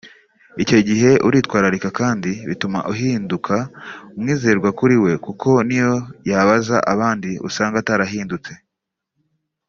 Icyo gihe uritwararika kandi bituma uhinduka umwizerwa kuri we kuko niyo yabaza abandi asanga utarahindutse